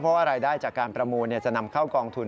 เพราะว่ารายได้จากการประมูลจะนำเข้ากองทุน